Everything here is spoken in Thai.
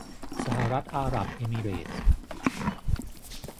สหรัฐอาหรับเอมิเรตส์